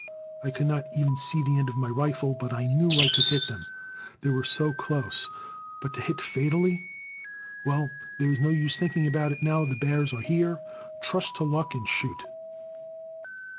I could not even see the end of my rifle; but I knew I could hit them, they were so close. But to hit fatally? Well, there is no use thinking about it now the bears are here. Trust to luck and shoot!